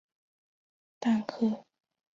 但噶厦未恢复其呼图克图封号。